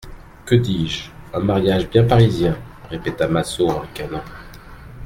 Que dis-je, un mariage bien parisien ! répéta Massot en ricanant.